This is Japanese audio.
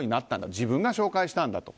自分が紹介したんだと。